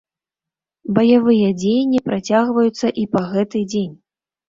Баявыя дзеянні працягваюцца і па гэты дзень.